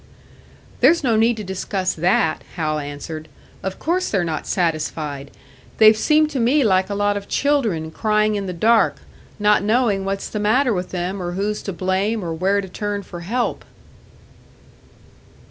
"There's no need to discuss that," Hal answered. "Of course they're not satisfied! They've seemed to me like a lot of children crying in the dark not knowing what's the matter with them, or who's to blame, or where to turn for help."